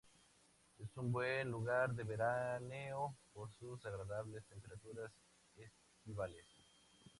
Es un buen lugar de veraneo por sus agradables temperaturas estivales.